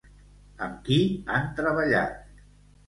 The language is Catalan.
Amb qui han treballat?